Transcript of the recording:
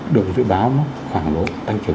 được dự báo nó khoảng độ tăng trưởng bốn mươi tám